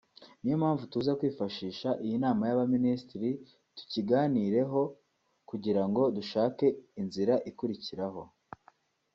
niyo mpamvu tuza kwifashisha iyi nama y’abaminisitiri tukiganireho kugira ngo dushake inzira ikurikiraho”